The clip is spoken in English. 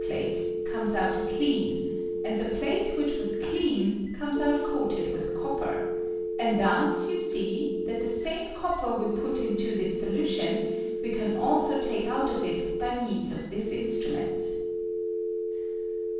plate cornea out clean, and tlie plate which was clean comes out coated with copper; and thus you see that the same copper we put into this solution we can also take out of it by means of this instrument.